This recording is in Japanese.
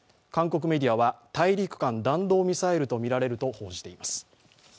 韓国メディアは、大陸間弾道ミサイルと見られると報じています。